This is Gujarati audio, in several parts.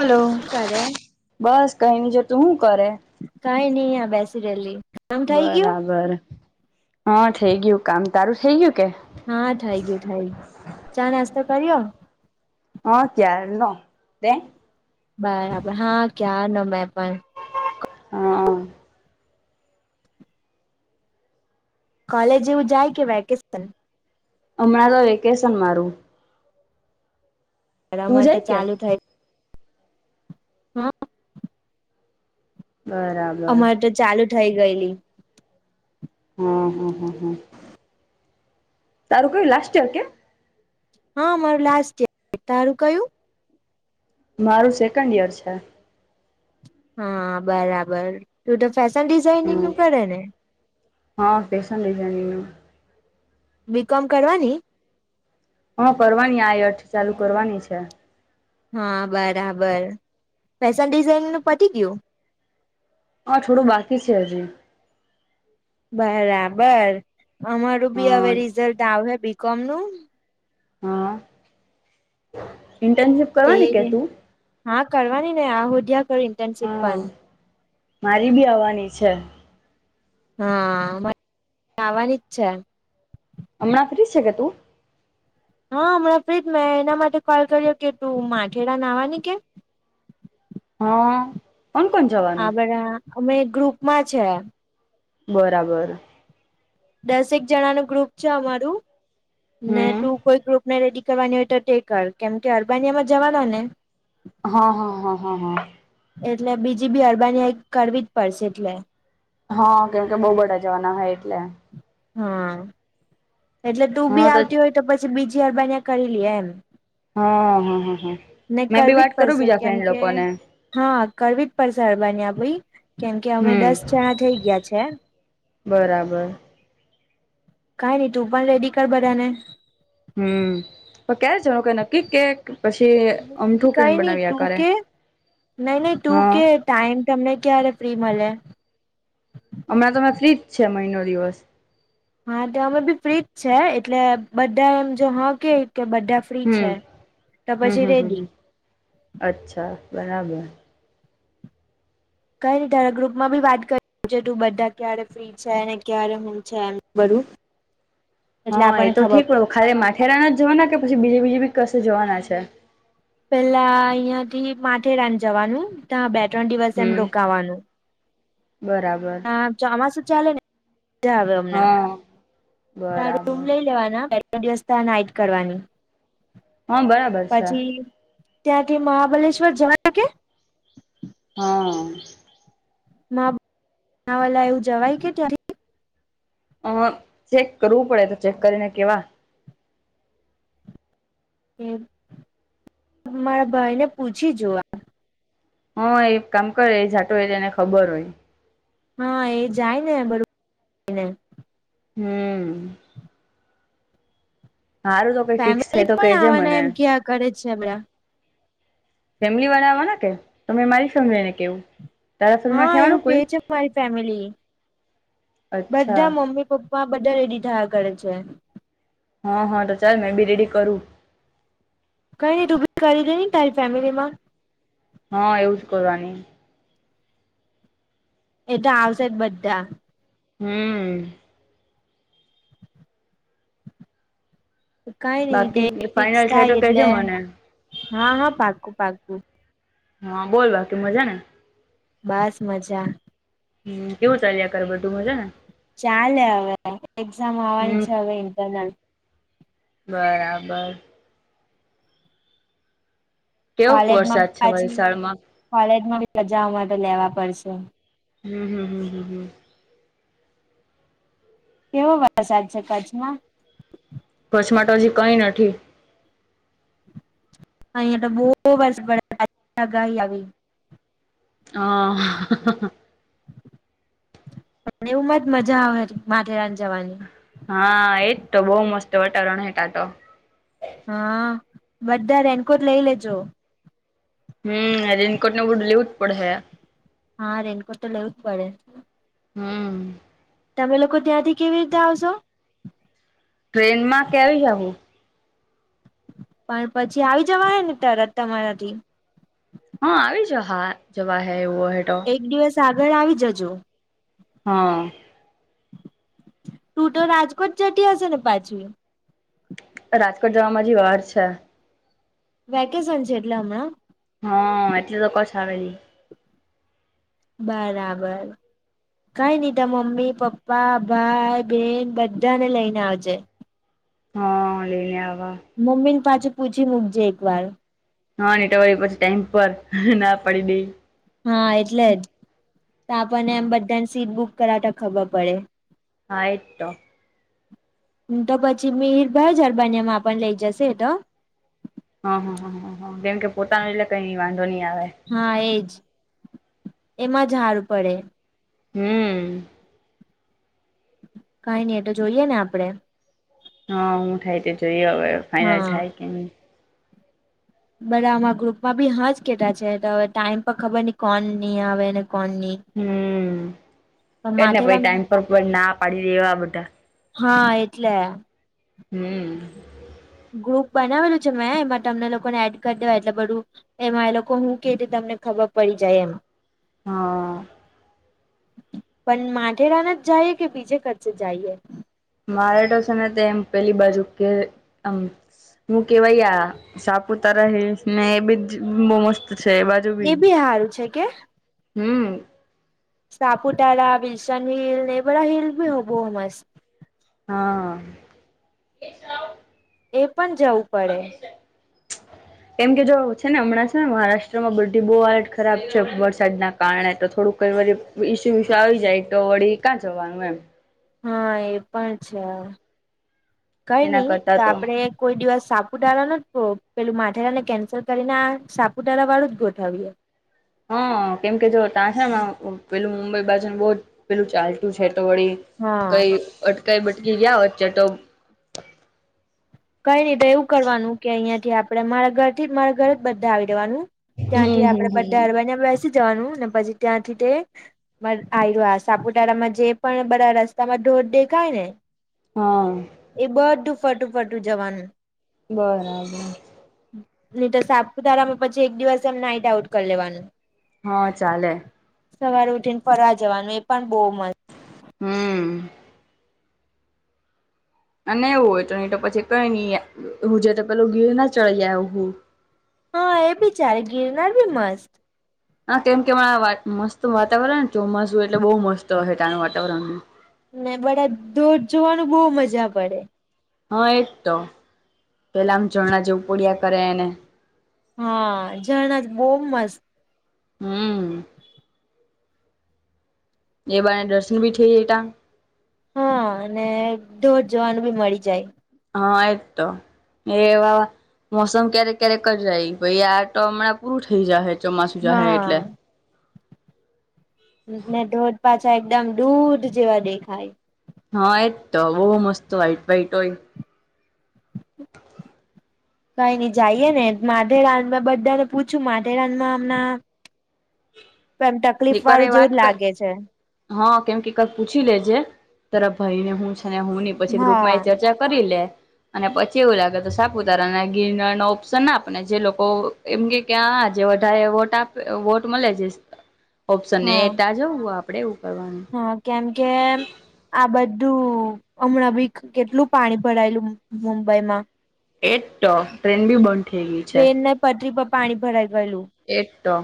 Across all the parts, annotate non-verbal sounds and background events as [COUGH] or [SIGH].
હલો શું કરે બસ કઈ જો તું શું કરે કઈ નહી આ બેસી રહેલી કામ થઈ ગયું બરાબર હા થઇ ગયું કામ તારું થઇ ગયું કે હા થઈ ગયું થઈ ગયું ચા નાસ્તો કર્યો હા કાર ન તે બરાબર હા ક્યાર ન મેં પણ હા કોલેજ એવું જાય કે વેકેશન હમણાં તો વેકેશન મારું તું મારે તો જાય કે? ચાલુ થાય. હા બરાબર અમારે હા તો ચાલુ થઈ ગયેલી. હમ હમ હા હમ તારું કઈ લાસ્ટ ઇયર કે હા મારું લાસ્ટ તારું કયું? મારું સેકન્ડ ઈયર છે. હા બરાબર તું તો ફેશન ડિઝઇનિંગ હમ. નું કરે ને હા ફેશન ડિઝાનિંગનું બી કોમ કરવાની હા કરવાની આ આઠ ચાલુ કરવાની છે. હા બરાબર ફેશન ડિઝાઇનનું પટી ગયું? હા થોડું બાકી છે હજી. બરાબર અમારું બી હવે હા રિઝલ્ટ આવશે બી કોમ નું હા ઇન્ટનશિપ? તે હા કરવાની ને આોડ્યા કર ઇન્ટર્નશીપ હા પણ મારી બી આવવાની છે. હારે આવવાની છે. હમણાં ફ્રી છે કે તું? હા હમણાં પ્ર્રીતમાં એના માટે કોલ કર્યો કે તું માથેેડા નાવાની કે. હા કોણ કોણ જવા? હા બરાા અમે ગ્રુપ માં છે. બરાબર દસેક જણા ન ગ્રુપ છે અમારું ને હમ તું. કોઈ ગ્રુપ ને રેડી કરવાની હોય તો તે કર કેમ કે અરબાનિયા માં જવાના ને હા હા હા હા હા એટલે બીજી બી અરબાની કરવી જ પડશે એટલે હા કેમ કે બહુ બડાા જવાના હો એટલે હા એટલે તું બી આવતી હોય તો પછી બીજી વારબા કરી લઈએ એમ. હા હ હ હા ને મેં બી કરવી જ વાત કરું પડશે બીજા કેમ ફ્રેન્ડ કે લોકો ને હા કરવીટ પર સરારબાની આપ ભાઈ કેમ કે અમે હમ દસ જણા થઇ ગયા છે. બરાબર કઈ નઈ તું પણ રેડી કર બધાને હમ પણ ક્યારે જણું કે નક્કી કે પછી અમઠું કઈ પ્લેન નઈ તુ બનાવ્યા કરે કે નહી નહી તુ હા કે ટાઈમ તમને ક્યારે ફ્રી મળે અમે તોમે ફ્રીજ છે મહિનો દિવસ. હા તો અમે બી પ્રીત છે એટલે બધા એમ જો હા કે કે બધા ફ્રી છે હમ તો હમ પછી હમ રેડી. હમ અચ્છા બરાબર. કઈ ની તારા ગ્રુપમાં બી વાત કરી છે. તું બધા ક્યારે ફ્રી છે ને ક્યારે હું છે એમ બધું એટલે હા એ આપણને તો ખબર ઠીક [UNINTELLIGIBLE] માથેરાણા જવાના કે પછી બીજી બીજીબી કશે જવાના છે? પેલા અહીંયા થી માથેરાન જવાનું ત્યાં બે ત્રણ દિવસ એમ હમ. રોકાવાનું બરાબર. ચોમાસું ચાલે ને મજા આવે અમને હા તા રૂમ બરાબર લઈ લેવાના [UNINTELLIGIBLE] દિવસ તા નાઈટ કરવાની. હ બરાબર. છે. પછી ત્યાં કે મહાબલેશ્વર જવા હા. વાલા એવું જવાય કે ત્યાંથી અ હ ચેક કરવું પડે તો ચેક કરીને કેવા. હમ મારા ભાઈ ને પૂછી જોવા હા એ કામ કરે એ જાટો [UNINTELLIGIBLE] એને ખબર હોય. હા એ જાય ને બધું હમ. તો કઈ ફિક્સ ફેમિલી થાય તો પણ કેજે આવવાના એમ મને ક્યાં કરે છે બડા. ફેમિલી વાળા આવવાના કે તમે મારી ફેમિલી ને કેવું. તારા ફેમિલીમાં હા એવું ઠેવાનું કે કોઈ છે મારી ફેમિલી અચ્છા બધા મમ્મી પપ્પા આ બધા રેડી થયા કરે છે. હા હા તો ચાલ મેં બી રેડી કરું. [UNINTELLIGIBLE] તારી ફેમિલીમાં હા એવુંજ કરવાની એ તો આવશે જ બધા. હમ્મ બાકી [UNINTELLIGIBLE] ફિક્સ ફાઈનલ થાય તો કેજે એટલે મને હા હા પાકું પાકું. હા બોલ બાકી મજા ને? બસ મજા હમ કેવું ચાલ્યા કરે બધું મજા ને? ચાલે અવે એક્ઝામ આવવાની હમ છે અવે ઇન્ટરનલ. બરાબર. કેવોક કોલેજમાં વરસાદ છે પાછી વલસાડમાં કોલેજમાં બી [UNINTELLIGIBLE] લેવા પડશે. હમ હમ હમ હમ હમ. કેવો વરસાદ છે, કચ્છમાં? કચ્છમાં તો હજી કઈ નથી. અયા તો [UNINTELLIGIBLE] આવી. [UNINTELLIGIBLE] [UNINTELLIGIBLE] મજા આવે માથેરાન જવાની. હા એજ તો બોઉ મસ્ત વટારણ [UNINTELLIGIBLE] ટા તો હા બધા રેનકોટ લઈ લેજો. હમ રેનકોટ ને બડું લેવું જ પડ હે. હા રેનકોટ તો લેવું જ પડે. હમ્મ તમે લોકો ત્યાંથી કેવી રીતે આવશો ટ્રેનમાં કેવી, જાવુ પણ પછી આવી જવા [UNINTELLIGIBLE] તરત તમારાથી હ આવી જ હા જવા હે એવું હોય તો એક દિવસ આગળ આવી જજો હા તું તો રાજકોટ જટી હશે ને પાછ. રાજકોટ જવા જી વાહર છે વેકેસન છે એટલા હા એટલે તો કછ આવે નહી બરાબર કઈ નહ ત મમ્મી પપ્પા ભાઈ બેન બધાને લઈને આવજે હા લઈ લ્યાવા મમ્મી ને પાછું પૂછી મુકજે એક વાર હા ની ટળ પછી ટાઈમ પર ના પડી દઈ હા એટલે જ તો આપણને એમ હા બધાને સીટ બુક કરાવતા ખબર પડે આ એકટો તો પછી મિરભાઈ જરબાનીિયા માં પણ લઇ જશે તો હા હ હ હ હા કેમકે પોતાનું એટલે કઈ વાંધો નહી આવે હા એજ એમાં જ સારું પડે હમ કઈ નઈ એ તો જોઈએ ને આપડે હા હું થાય તે જોઈ હવે ફાાઈનલ હા જાય કેમ બરા આમા ગ્રુપમાં બી હાજ કેટલા છે હવે ટાઈમ પર ખબર નઈ કોણ ની આવે ને કોણ નની હમ એને પ ટાઈમ પર ના પાડી દેવા બધા હા એટલે હમ ગ્રુપ બનાવેલું છે મેં એમાં તમને લોકોને એડ કરી દેવાય એટલે બધું એમાં એ લોકો હું કે તમને ખબર પડી જાય એમાં હા પણ માઢેરાન જ જઈએ કે બીજે કચ્ચે જઈએ મારે તો છે ને તે એમ પેલી બાજુ કે હું કેવાૈયા સાપુતારા હ ને એ બીજ બહ મસ્ત છે એ બી સારું છે કે હમ સાપુતારા બલસન હલ એ બધ હલ બી હવો અસ્ હા એ પણ જવું પડે કેમ કે જો છે ને હમણાં ને મહારાષ્ટ્રમાં બલ્ટ બહુ આલટ ખરાબ છે વરસાદ ના કારણે તો થોડું કઈ વ ઈસુ ઈસુ આવી જાય તો વળી ક્યાં જવાનું એમ હા એ પણ છે કઈ એના નહી કરતા તો આપડે કોઈ દિવસ સાપુતારા ન જ પેલું માથેરા ને કેન્સલ કરીને આ સાપુતારા વાળું જ ગોઠવીએ હા કેમકે જો ત્યાં છે પેલું મુંબઈ બાજન બહ જ પેલું ચાલતું છે તો વળી હા કઈ અટકાઈ બટકી ગયા વચ્ચે તો કઈ નહી તો એવું કરવાનું કે અહિયાં થી આપડે મારા ઘર થી જ મારા ઘરે જ બધા આવી જેવાનું ત્યાંથી હમ આપડે હમ બધા હમ અરવા બેસી જવાનું ને પછી ત્યાંથી તે આ્યો સાપુતારામાં જે પણ બરાા રસ્તા માં ઢોર દેખાય ને હા એ બધું ફટું ફટું જવાનું બરાબર નહી તો સાપુતારામાં પછી એક દિવસ એમ નાઈટ આઉટ કરી લેવાનું હા ચાલે. સવારે ઉઠી ને ફરવા જવાનું એ પણ બહુ મસ્ત. હમ્મ. અને એવું હોય તો નહી તો પછી કઈ નઈ હું જે તો પેલું ગીર ના ચડી આવ હું હા એ બી ચારે ગિરનાર બી મસ્ત હા કેમ કે હણાં મસ્ત વાતાવરણ ચોમાસું એટલે બહુ મસ્ત હ તણું વાતાવરણ ને બધા દૂર જોવાનું બહુ મજા પડે હા એજ તો પેલા આમ રણા જેવું પડિયા કરે એને હા રણા બહુ મસ્ત હમ્મ. એ બાને દર્શન બી થઈ જતા. હા અને ઢોર જોવાનું બી મળી જાય. હા એ તો. એવા મોસમ ક્યારેક ક્યારેક જરાય પાઈ આ તો હમણાં પૂરું થઈ જાહે. હા. ને ઢોધ પાછા એકદમ દૂધ જેવા દેખાય. હા એજ તો બહુ મસ્ત વાઇટ વાાઈટ હોય. [INAUDIBLE] કઈ નઈ જઈએ ને માધેરાન બધાને પૂછ્યું માધેરાનમાં હમણા એક વાર એ વાળું જેવું વાત જ કર લાગે છે. હા કેમ કે એક વાર પૂછી લેજે તરા ભાઈને હું છે ને હું હી પછી ગ્રુપ હા માં એ ચર્ચા કરી લે અને પછી એવું લાગે તો સાપુતારા અને ગિરનાર નો ઓપ્શન આપે ને જે લોકો એમ કે કે આજ વધારે વોટ આપે વોટ મળે જ [INAUDIBLE] ઓપ્શન એ તા જવું હો આપડે એવું કરવાનું. હ કેમ કે આ બધું હમણાં બી કેટલું પાણી ભરાયેલું મુંબઈમાં. એ તો ટ્રેન બી બંધ. થઈ ગઈ છે ટ્રેન ને પટરી પર પાણી ભરાઈ ગયેલું. એજ તો.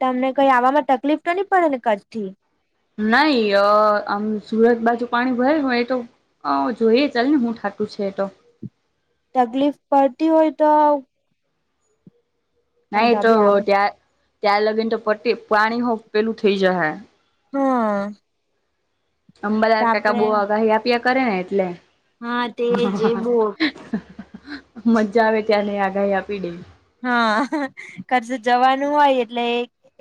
તમને કઈ આવવામાં તકલીફ ન પડે ને કચ્છ થી. નહી અ આમ સુરત બાજુ પાણી ભરાય એ તો હ જોઈએ ચાલ ને હું થાતું છે તો. તકલીફ પડતી હોય તો પણ નહી તો બી આવું ત્યાં ત્યાં લગીને તો પ પાણી હો પેલું થઈ જાહે. હમ્મ. અંબાલાલ કાકા બોગાહી આપ્યા કરે ને એટલે હા તે જે બો મજા આવે ત્યાને આગાહી આપે તે. હા કસે જવાનું હોય એટલે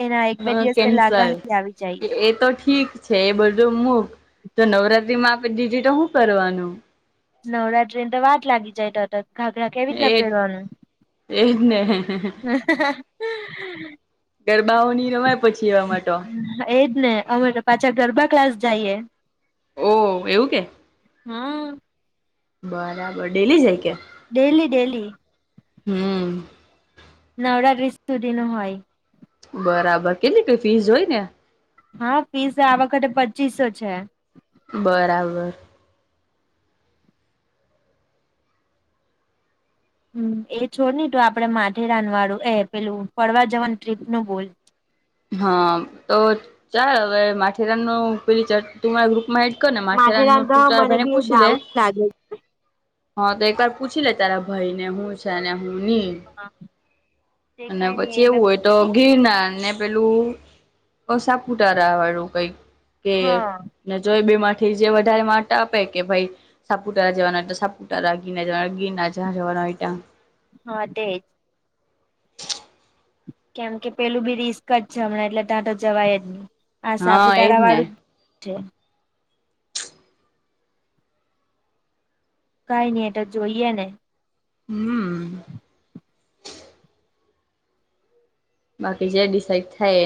એના એક બે હા દિવસ પેલા કેન્સલ આગાહી આવી જાય એ તો ઠીક છે એ બધું મૂક તો નવરાત્રીમાં આપી દીધી તો શું કરવાનું? નવરાત્રીને તો વા જ લાગી જાય તો હતો ઘાઘરા કેવી એ રીતના પહેરવાનું. એજ ને. હ. ગરબાઓ ની રમાય પછી એવામાં તો એજ ને અમે પાછા ગરબા ક્લાસ જઈએ. બો હોય છે. હા. બરાબર ડેલી જાય કે? Daily daily. હમ નવરાત્રીશ સુધી ન હોય. બરાબર કેટલી ફીસ હોય ને. હા, ફીસ આ વખતે પચીસો છે. બરાબર. હમ. એ છોડ ની, તું તો આપડે માથેેરાન વાળું, એ પેલું ફડવા જવાનું ટ્રીપ નું બોલ. હા. તો ચાલ હવે માથેરાનનું પેલી ચરટી મા ગ્રુપમાં એડ કને માથેરાનનું માથેરાન તો તું તાર મને ભાઈ ને બી એ પૂછી લે. ડાઉટ લાગે હા તો એક વાર પૂછી લે તારા ભાઈ ને, હું છે ને હું ની. છે. તે અને કઈ નઈ પછી એ મેં એવું હોય, તો પૂછું ગિરનાર ને પેલું સાપૂતારા વાળું કઈક કે હા ને જો એ બે માંથી જે વધારે માર્ટ આપે કે ભાઈ સપુટારા જવાના હોય તો સપુટારા, ગિરનાર જવાના હોય તો ગિરનાર, જા જવાનો તા. હા તે જ. કેમ કે પેલું બી રિસ્કટ છે આમણા, એટલે ત્યાં તો જવાય જ ને. આ હા એજ સાપુતારા ને વાળું જ થેમ કઈ ની. એટ જોઈએ ને. હમ. બાકી જે ડિસાઇડ થાય એને